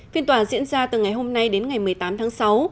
phiên tòa diễn ra từ ngày hôm nay đến ngày một mươi tám tháng sáu